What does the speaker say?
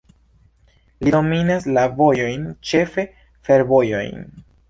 Li dominas la vojojn, ĉefe fervojojn.